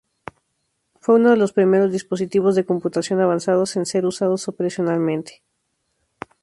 Fue uno de los primeros dispositivos de computación avanzados en ser usados operacionalmente.